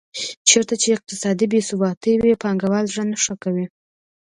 چېرته چې اقتصادي بې ثباتي وي پانګوال زړه نه ښه کوي.